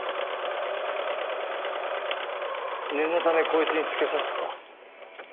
念のためこいつにつけさせてた。